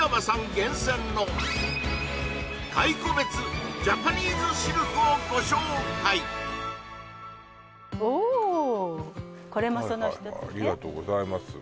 厳選の蚕別ジャパニーズシルクをご紹介おっこれもその一つねありがとうございます